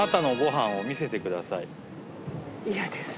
嫌です。